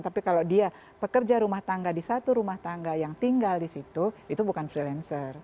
tapi kalau dia pekerja rumah tangga di satu rumah tangga yang tinggal di situ itu bukan freelancer